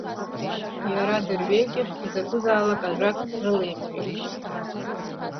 Иара дырҩегьых изакәызаалак ажәак рылеимҳәеит.